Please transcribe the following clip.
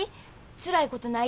つらいことない？